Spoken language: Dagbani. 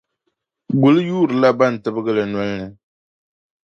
Guli yuurila bɛn tibigi li noli ni.